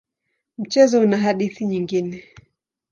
Mchezo una hadithi nyingine.